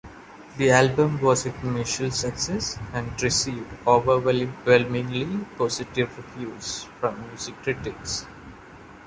The album was a commercial success and received overwhelmingly positive reviews from music critics.